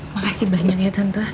makasih banyak ya tante